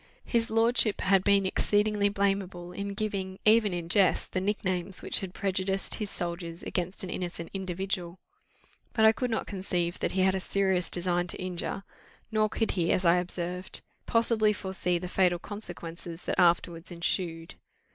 His lordship had been exceedingly blamable in giving, even in jest, the nicknames which had prejudiced his soldiers against an innocent individual; but I could not conceive that he had a serious design to injure; nor could he, as I observed, possibly foresee the fatal consequences that afterwards ensued.